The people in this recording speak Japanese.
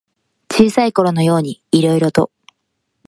小さいころのようにいろいろと。